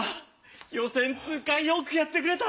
予選通過よくやってくれた！